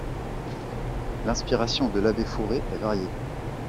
L'inspiration de l'abbé Fouré est variée.